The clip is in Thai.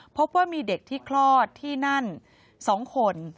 พบว่ามีเด็กที่คลอดที่นั่น๒คน